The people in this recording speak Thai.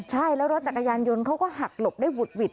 ใช่แล้วรถจักรยานยนต์เขาก็หักหลบได้หุดหวิด